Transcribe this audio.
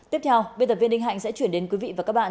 tiếp theo biên tập viên ninh hạnh sẽ chuyển đến quý vị và các bạn